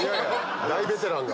大ベテランが！